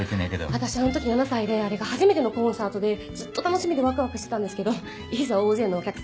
私あの時７歳であれが初めてのコンサートでずっと楽しみでワクワクしてたんですけどいざ大勢のお客さん